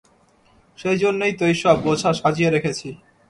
সেইজন্যেই তো এই-সব বোঝা সাজিয়ে রেখেছি।